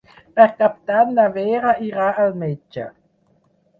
Per Cap d'Any na Vera irà al metge.